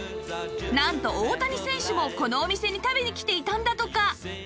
なんと大谷選手もこのお店に食べに来ていたんだとか